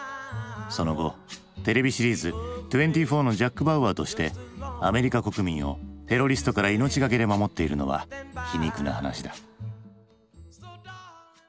その後テレビシリーズ「２４」のジャック・バウアーとしてアメリカ国民をテロリストから命がけで守っているのは皮肉な話だ。